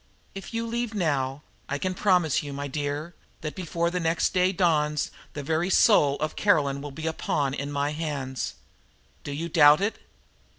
If you leave now, I can even promise you, my dear, that, before the next day dawns, the very soul of Caroline will be a pawn in my hands. Do you doubt it?